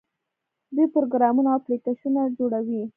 دوی پروګرامونه او اپلیکیشنونه جوړوي.